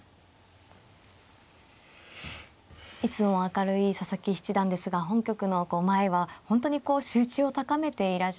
いつもは明るい佐々木七段ですが本局の前は本当にこう集中を高めていらっしゃいましたよね。